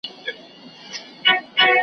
خو زما په عقیده .